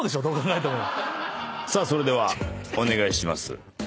さあそれではお願いします。